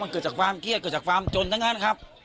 เกิดจากความเครียดเกิดจากความจนทั้งนั้นครับ